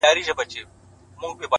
خــو ســــمـدم،